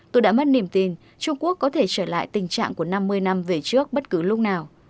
tôi đã mất niềm tin trung quốc có thể trở lại tình trạng của năm mươi năm về trước bất cứ lúc nào